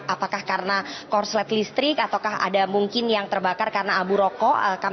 apakah karena korslet listrik ataukah ada mungkin yang terbakar karena abu rokok